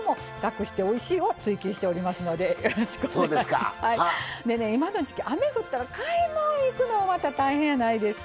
でね今の時期雨降ったら買い物行くのもまた大変やないですか。